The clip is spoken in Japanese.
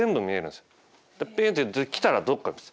で「ピン」って来たらどっかです。